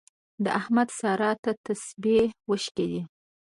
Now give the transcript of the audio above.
د احمد سارا ته تسپې وشکېدې.